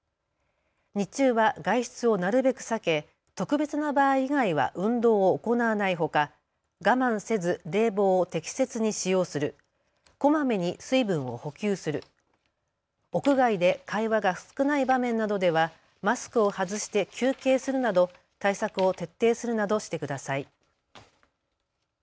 日中は外出をなるべく避け特別の場合以外は運動を行わないほか、我慢せず冷房を適切に使用する、こまめに水分を補給する、屋外で会話が少ない場面などではマスクを外して休憩するなど対策を徹底するなどしてください。